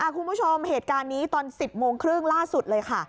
คุณผู้ชมเหตุการณ์นี้ตอน๑๐โมงครึ่งล่าสุดเลยค่ะ